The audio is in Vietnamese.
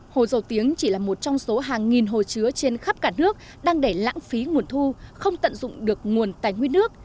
hồ dầu tiếng chỉ là một trong số hàng nghìn hồ chứa trên khắp cả nước đang để lãng phí nguồn thu không tận dụng được nguồn tài nguyên nước